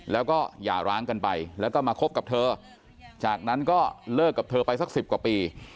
แล้วก็หย่าร้างกันไปแล้วก็มาคบกับเธอจากนั้นก็เลิกกับเธอไปสัก๑๐กว่าปี